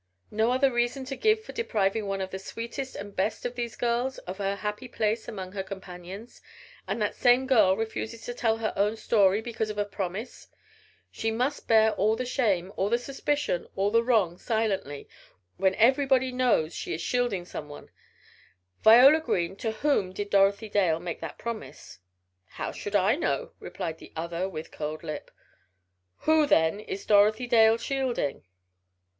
"No other reason to give for depriving one of the sweetest and best of these girls of her happy place among her companions? And that same girl refuses to tell her own story, because of a promise! She must bear all the shame, all the suspicion, all the wrong silently, when everybody knows she is shielding someone. Viola Green, to whom did Dorothy Dale make that promise?" "How should I know?" replied the other with curled lip. "Who, then, is Dorothy Dale shielding?"